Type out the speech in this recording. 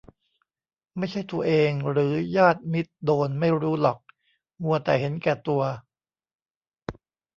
ไม่ใช่ตัวเองหรือญาติมิตรโดนไม่รู้หรอก มัวแต่เห็นแก่ตัว